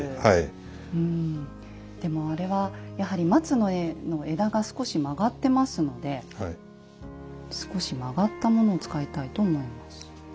でもあれはやはり松の絵の枝が少し曲がってますので少し曲がったものを使いたいと思います。